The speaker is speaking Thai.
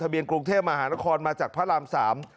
เบียนกรุงเทพมหานครมาจากพระรามสาม